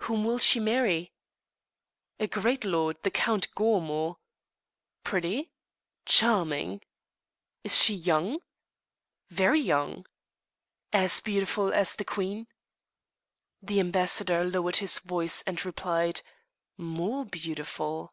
"Whom will she marry?" "A great lord, the Count Gormo." "Pretty?" "Charming." "Is she young?" "Very young." "As beautiful as the queen?" The ambassador lowered his voice, and replied, "More beautiful."